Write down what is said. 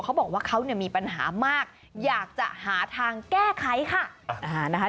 เขาบอกว่าเขามีปัญหามากอยากจะหาทางแก้ไขค่ะ